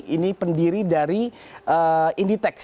ini pendiri dari inditex